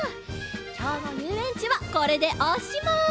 きょうのゆうえんちはこれでおしまい！